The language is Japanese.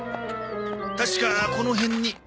確かこの辺に。